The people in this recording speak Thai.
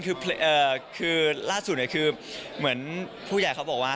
คือเบอร์เอ่อล่าสุดคือเหมือนผู้ใหญ่เขาบอกว่า